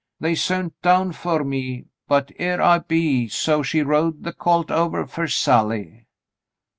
They sont down fer me — but here I be, so she rode the colt ovah fer Sally.'